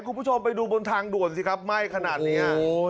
คุณผู้ชมไปดูบนทางด่วนสิครับไหม้ขนาดนี้